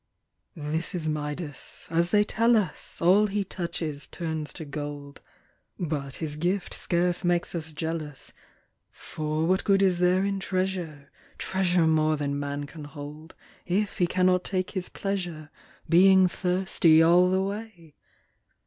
This is Midas : as they tell us, All he touches turns to gold, But his gift scarce makes us jealous ; For what good is there in treasure. Treasure more than man can hold. If he cannot take his pleasure, Being thirsty all the way